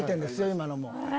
今のも。